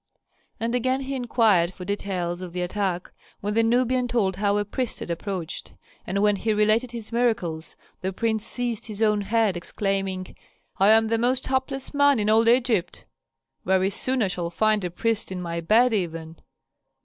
And again he inquired for details of the attack, when the Nubian told how a priest had approached, and when he related his miracles the prince seized his own head, exclaiming, "I am the most hapless man in all Egypt! Very soon I shall find a priest in my bed even.